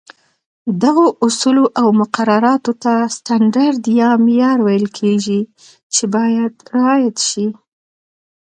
دغو اصولو او مقرراتو ته سټنډرډ یا معیار ویل کېږي، چې باید رعایت شي.